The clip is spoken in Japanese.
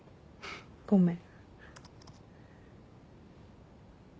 ごめん。